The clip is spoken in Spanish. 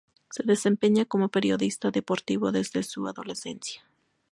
Se desempeña como periodista deportivo desde su adolescencia.